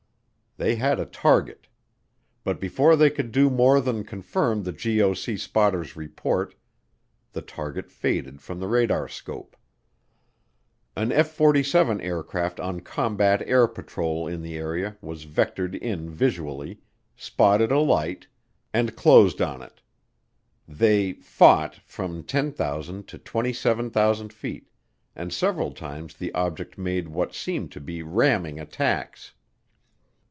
They had a target. But before they could do more than confirm the GOC spotter's report, the target faded from the radarscope. An F 47 aircraft on combat air patrol in the area was vectored in visually, spotted a light, and closed on it. They "fought" from 10,000 to 27,000 feet, and several times the object made what seemed to be ramming attacks.